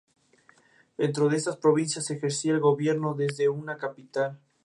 Dentro de estas provincias, se ejercía el gobierno desde una capital.